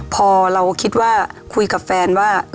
พอเราคิดว่าคุยกับแฟนว่า